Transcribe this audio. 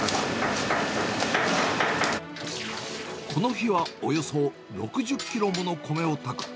この日はおよそ６０キロもの米を炊く。